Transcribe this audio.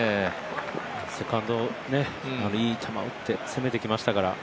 セカンド、いい球打って攻めてきましたから。